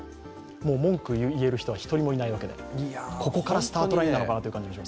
もう文句言える人は一人もいないわけで、ここからスタートラインなのかなと感じます。